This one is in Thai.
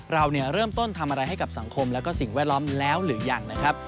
เราเริ่มต้นทำอะไรให้กับสังคมและสิ่งแวดล้อมแล้วหรือยังนะครับ